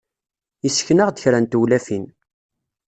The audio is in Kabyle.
Yessken-aɣ-d kra n tewlafin.